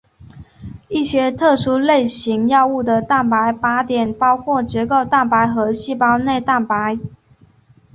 一些特殊类型药物的蛋白靶点包括结构蛋白和细胞内蛋白。